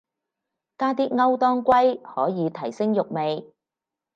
加啲歐當歸可以提升肉味